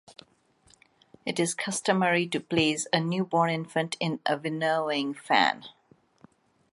It is customary to place a newborn infant in a winnowing fan.